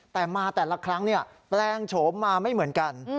แต่มาแต่ละครั้งแปลงโฉมมาไม่เหมือนกัน